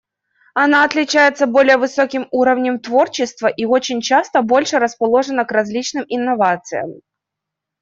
Она отличается более высоким уровнем творчества и очень часто больше расположена к различным инновациям.